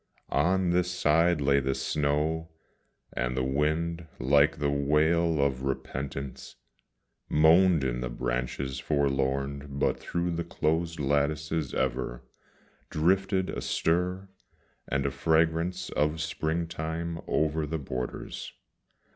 On this side lay the snow and the wind, like the wail of repentance, Moaned in the branches forlorn but through the closed lattices ever Drifted a stir and a fragrance of springtime over the borders.